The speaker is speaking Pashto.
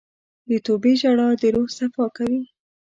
د توبې ژړا د روح صفا کوي.